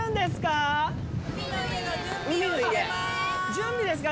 準備ですか？